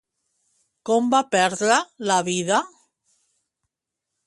Com va perdre la vida?